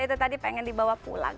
itu tadi pengen dibawa pulang